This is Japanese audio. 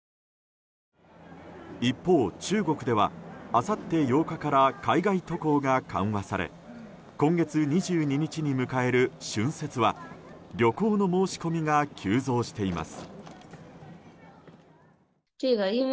一方、中国ではあさって８日から海外渡航が緩和され今月２２日に迎える春節は旅行の申し込みが急増しています。